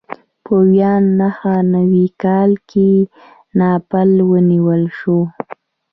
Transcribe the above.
په ویا نهه نوي کال کې ناپل ونیول شو.